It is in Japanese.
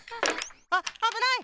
あっあぶない！